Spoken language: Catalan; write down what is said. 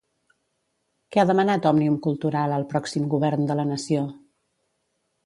Què ha demanat Òmnium Cultural al pròxim govern de la nació?